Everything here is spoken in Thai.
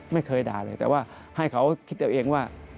ไม่เคยด่าเลยแต่ว่าให้เขาคิดเอาเองว่า